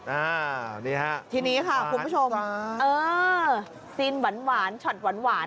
อ่านี่ฮะทีนี้ค่ะคุณผู้ชมเออซีนหวานช็อตหวาน